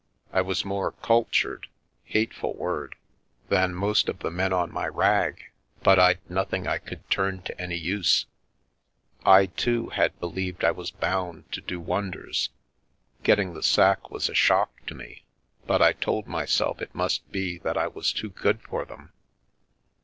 I was more ' cultured '— hateful word — than most of the men on my Secrecv Farm rag, but Td nothing I could turn to any use. I, too, had believed I was bound to do wonders. Getting the sack was a shock to me, but I told myself it must be that I was too good for them.